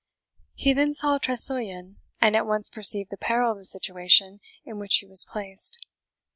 He then saw Tressilian, and at once perceived the peril of the situation in which he was placed.